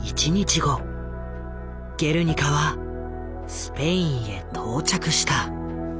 「ゲルニカ」はスペインへ到着した。